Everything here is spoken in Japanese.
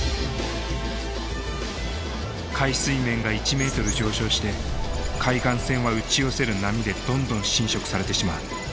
海水面が１ｍ上昇して海岸線は打ち寄せる波でどんどん浸食されてしまう。